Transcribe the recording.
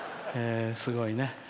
すごいね。